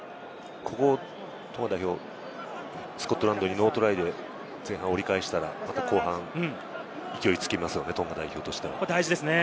ここトンガ代表、スコットランドにノートライで前半を折り返したら、また後半勢いがつきますよね、トンガ代表として。